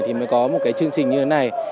thì mới có một cái chương trình như thế này